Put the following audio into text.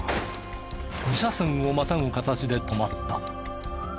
二車線をまたぐ形で止まった。